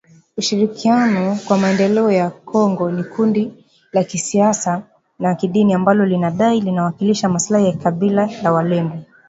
Ushirikiano kwa Maendelea ya Kongo ni kundi la kisiasa na kidini ambalo linadai linawakilisha maslahi ya kabila la walendu.